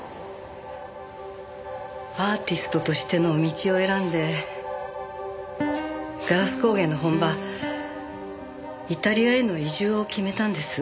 アーティストとしての道を選んでガラス工芸の本場イタリアへの移住を決めたんです。